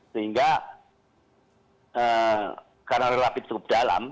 sehingga karena relatif cukup dalam